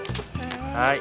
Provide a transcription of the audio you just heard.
はい。